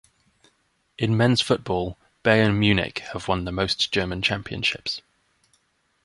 In men's football, Bayern Munich have won the most German championships.